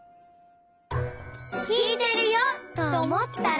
きいてるよとおもったら。